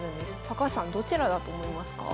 高橋さんどちらだと思いますか？